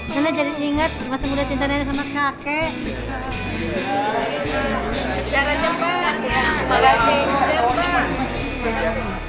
nenek jadi ingat masa muda cinta nenek sama kakek